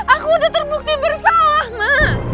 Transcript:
aku udah terbukti bersalah ma